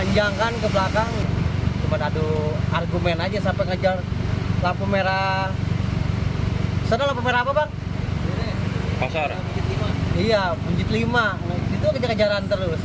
itu ngejar kejaran terus gak ada beresnya